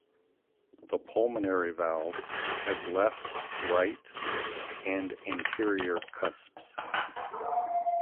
The pulmonary valve has left, right, and anterior cusps.